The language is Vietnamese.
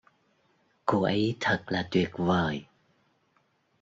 cô ấy thật là tuyệt vời